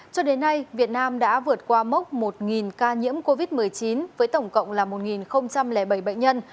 cho đến nay việt nam đã vượt qua mốc một ca nhiễm covid một mươi chín với tổng cộng là một bảy bệnh nhân